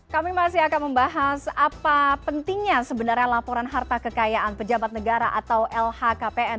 kami masih akan membahas apa pentingnya sebenarnya laporan harta kekayaan pejabat negara atau lhkpn